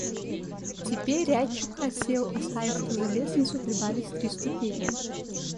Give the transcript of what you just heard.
Теперь рядчик хотел, оставив ту же лестницу, прибавить три ступени.